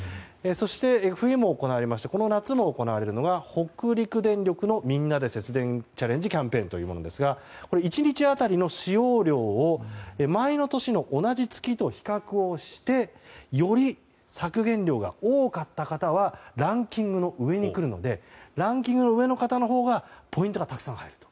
そして、冬にも行われまして夏にも行われるのが北陸電力のみんなｄｅ節電チャレンジキャンペーンというものですが１日当たりの使用量を前の年の同じ月と比較をしてより削減量が多かった方はランキングの上にくるのでランキングの上の方のほうがポイントがたくさん入ると。